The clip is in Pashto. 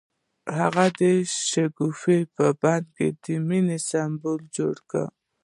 هغه د شګوفه په بڼه د مینې سمبول جوړ کړ.